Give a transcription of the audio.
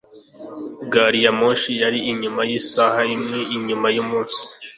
Gari ya moshi yari inyuma yisaha imwe inyuma yumunsi.